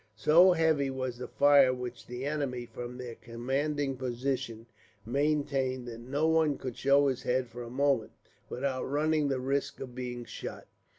So heavy was the fire which the enemy, from their commanding position, maintained, that no one could show his head for a moment, without running the risk of being shot.